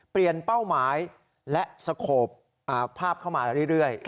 เปลี่ยนเป้าหมายและสะโขบภาพเข้ามาเรื่อย